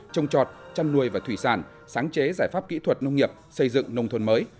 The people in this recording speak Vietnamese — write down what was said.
trồng trọt chăn nuôi và thủy sản sáng chế giải pháp kỹ thuật nông nghiệp xây dựng nông thôn mới